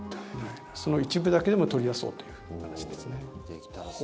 その一部だけでも取り出そうという話ですね。